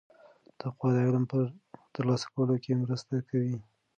تقوا د علم په ترلاسه کولو کې مرسته کوي.